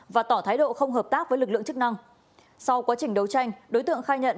và tỏ thái độ không hợp tác với lực lượng chức năng sau quá trình đấu tranh đối tượng khai nhận